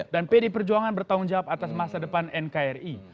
dan pd perjuangan bertanggung jawab atas masa depan nkri